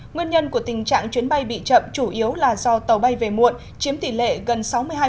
nguyên nhân của tình trạng chuyến bay bị chậm chủ yếu là do tàu bay về muộn chiếm tỷ lệ gần sáu mươi hai